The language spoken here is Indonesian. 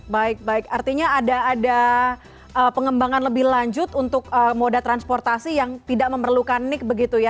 baik baik artinya ada pengembangan lebih lanjut untuk moda transportasi yang tidak memerlukan nik begitu ya